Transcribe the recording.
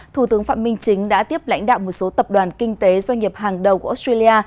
thủ tướng phạm minh chính đã tiếp lãnh đạo một số tập đoàn kinh tế doanh nghiệp hàng đầu của australia